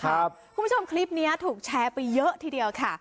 คุณผู้ชมคลิปนี้ถูกแชร์ไปเยอะทีเดียวค่ะ